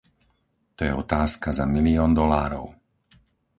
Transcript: To je otázka za milión dolárov.